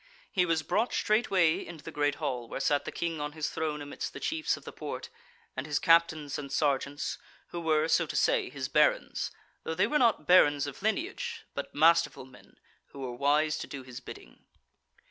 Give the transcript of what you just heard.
He was brought straightway into the great hall, where sat the King on his throne amidst the chiefs of the Porte, and his captains and sergeants, who were, so to say, his barons, though they were not barons of lineage, but masterful men who were wise to do his bidding.